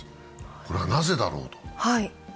これはなぜだろうと。